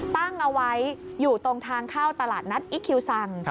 ตั้งเอาไว้อยู่ตรงทางเข้าตลาดนัดอิคิวซัง